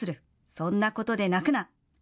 そんなことで泣くな。